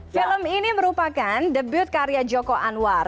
film ini merupakan debut karya joko anwar